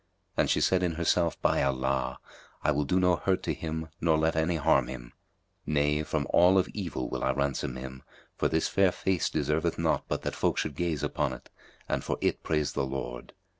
And she said in herself, "By Allah! I will do no hurt to him nor let any harm him; nay, from all of evil will I ransom him, for this fair face deserveth not but that folk should gaze upon it and for it praise the Lord.